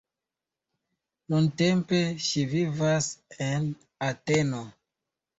Nuntempe ŝi vivas en Ateno.